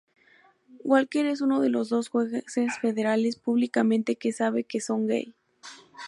Walker es uno de los dos jueces federales públicamente que sabe que son gay.